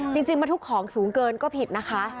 จริงมาทุกของสูงเกินก็ผิดนะคะ